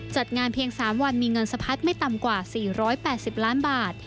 จัดงานเพียง๓วันมีเงินสะพัดไม่ต่ำกว่า๔๘๐ล้านบาท